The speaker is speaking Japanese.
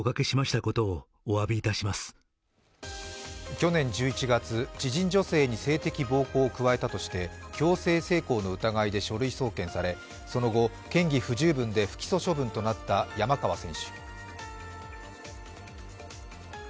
去年１１月、知人女性に性的暴行を加えたとして強制性交の疑いで書類送検されその後、不起訴処分で不起訴処分となった山川氏。